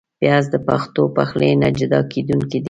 پیاز د پښتو پخلي نه جدا کېدونکی دی